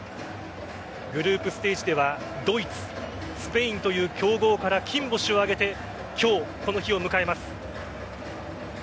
グループステージではドイツ、スペインという強豪から金星を挙げて今日、この日を迎えます。